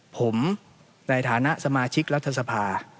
ผมในฐานะสมาชิกรัฐสภา